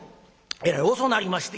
えらい遅なりまして。